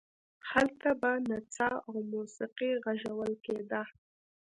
هلته به نڅا او موسیقي غږول کېده.